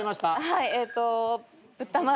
はい。